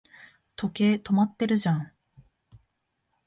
時計、止まってるじゃん